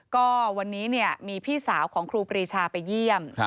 ก็วันนี้มีพี่สาวของครูปรีชาไปเยี่ยม